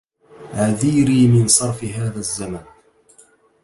عذيري من صرف هذا الزمن